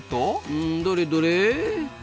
うんどれどれ？